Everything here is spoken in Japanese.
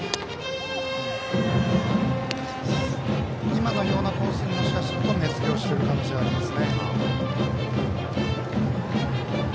今のようなコースに目付けしている可能性があります。